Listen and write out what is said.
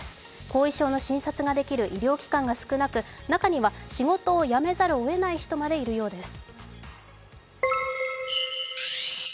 後遺症の診察ができる医療機関が少なく、中には仕事を辞めざるをえない人までいるようです。